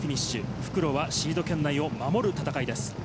復路はシード圏内を守る戦いです。